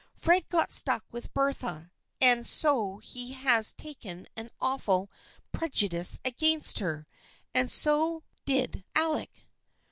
Fred got stuck with Bertha and so he has taken an awful prejudice against her, and so did Alec."